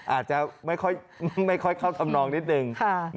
อาจจะไม่ค่อยเข้าทำนองนิดนึง